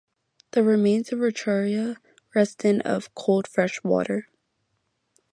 The remains of "Etruria" rest in of cold fresh water.